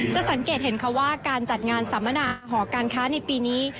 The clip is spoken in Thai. สังเกตเห็นค่ะว่าการจัดงานสัมมนาหอการค้าในปีนี้